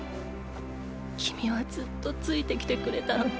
君はずっと付いてきてくれたのに。